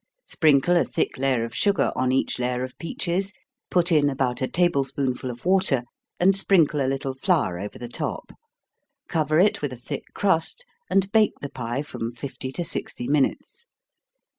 Sprinkle a thick layer of sugar on each layer of peaches, put in about a table spoonful of water, and sprinkle a little flour over the top cover it with a thick crust, and bake the pie from fifty to sixty minutes.